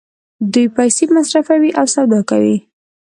دوی پیسې مصرفوي او سودا کوي.